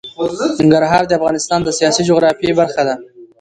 ننګرهار د افغانستان د سیاسي جغرافیه برخه ده.